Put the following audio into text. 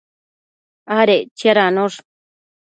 adec chiadanosh